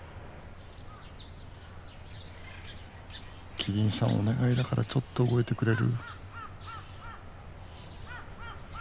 キリンさんお願いだからちょっと動いてくれる？